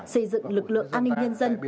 xây dựng lực lượng an ninh nhân dân